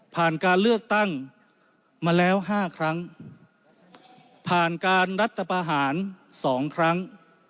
การเลือกตั้งมาแล้ว๕ครั้งผ่านการรัฐประหาร๒ครั้ง